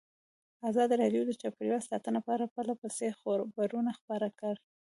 ازادي راډیو د چاپیریال ساتنه په اړه پرله پسې خبرونه خپاره کړي.